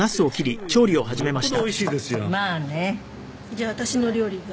「じゃあ私の料理が」